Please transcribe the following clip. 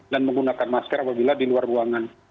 dan menggunakan masker apabila di luar ruangan